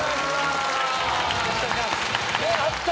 よろしくお願いします。